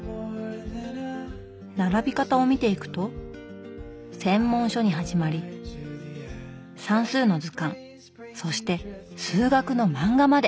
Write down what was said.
並び方を見ていくと専門書に始まり算数の図鑑そして数学の漫画まで。